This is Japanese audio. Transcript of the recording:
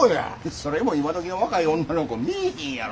それも今どきの若い女の子見いひんやろ。